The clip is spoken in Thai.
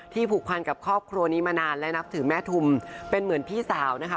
ผูกพันกับครอบครัวนี้มานานและนับถือแม่ทุมเป็นเหมือนพี่สาวนะคะ